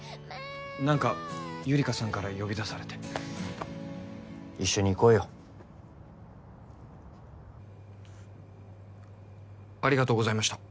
何かゆりかさんから呼び出されて一緒に行こうよありがとうございました